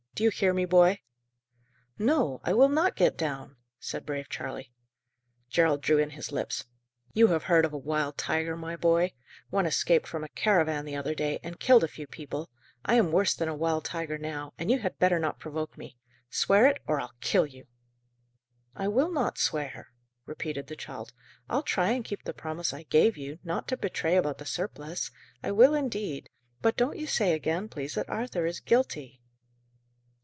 Do you hear me, boy?" "No, I will not get down," said brave Charley. Gerald drew in his lips. "You have heard of a wild tiger, my boy? One escaped from a caravan the other day, and killed a few people. I am worse than a wild tiger now, and you had better not provoke me. Swear it, or I'll kill you!" "I will not swear," repeated the child. "I'll try and keep the promise I gave you, not to betray about the surplice I will indeed; but don't you say again, please, that Arthur is guilty."